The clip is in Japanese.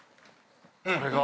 これが。